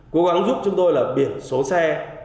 cố gắng giúp chúng tôi là biển số xe